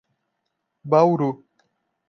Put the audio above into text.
Bauru